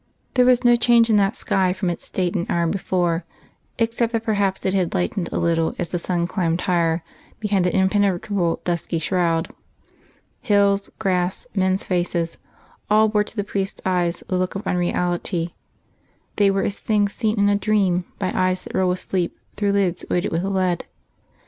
There was no change in that sky from its state an hour before, except that perhaps it had lightened a little as the sun climbed higher behind that impenetrable dusky shroud. Hills, grass, men's faces all bore to the priest's eyes the look of unreality; they were as things seen in a dream by eyes that roll with sleep through lids weighted with lead.